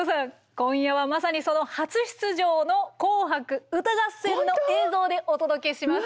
今夜はまさにその初出場の「紅白歌合戦」の映像でお届けします。